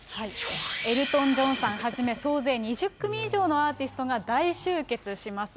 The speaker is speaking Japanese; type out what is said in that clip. エルトン・ジョンさんはじめ総勢２０組以上のアーティストが大集結します。